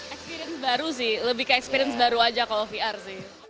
experience baru sih lebih ke experience baru aja kalau vr sih